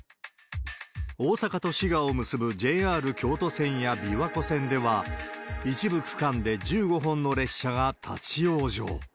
大阪と滋賀を結ぶＪＲ京都線や琵琶湖線では、一部区間で１５本の列車が立往生。